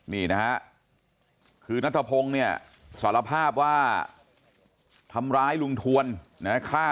นี่นะฮะคือนัทพงศ์เนี่ยสารภาพว่าทำร้ายลุงทวนนะฆ่า